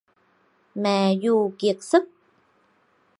Mẹ dù kiệt sức